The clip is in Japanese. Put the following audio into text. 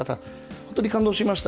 本当に感動しました。